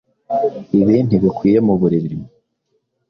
Ibi ntibikwiye mu buriri